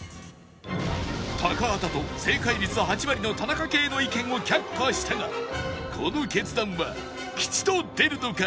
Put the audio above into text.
高畑と正解率８割の田中圭の意見を却下したがこの決断は吉と出るのか？